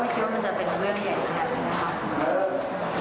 ไม่คิดว่ามันจะเป็นเวอร์ใหญ่นะครับ